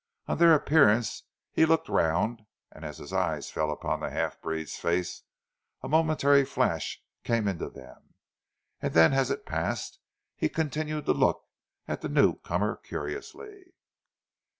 On their appearance he looked round, and as his eyes fell on the half breed's face a momentary flash came into them, and then as it passed he continued to look at the new comer curiously.